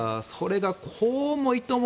それがこうもいとも